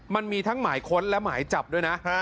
มันมีทั้งหมายค้นและหมายจับด้วยนะ